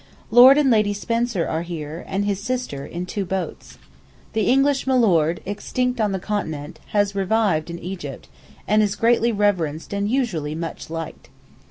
Lord and Lady Spencer are here, and his sister, in two boats. The English 'Milord,' extinct on the Continent, has revived in Egypt, and is greatly reverenced and usually much liked.